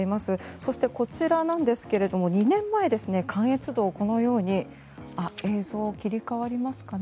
そして、こちらなんですが２年前、関越道、このように映像が切り替わりますかね。